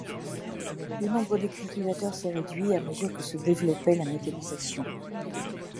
Le nombre des cultivateurs s'est réduit, à mesure que se développait la mécanisation.